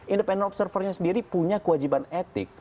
independent observernya sendiri punya kewajiban etik